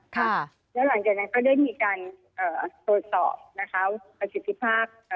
แล้วหลังจากนั้นก็ได้มีการโดยสอบประจิตภาค